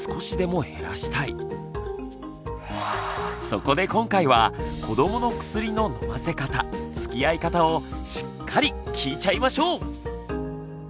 そこで今回は子どもの薬の飲ませ方つきあい方をしっかり聞いちゃいましょう！